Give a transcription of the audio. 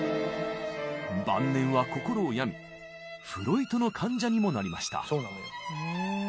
晩年は心を病みフロイトの患者にもなりました。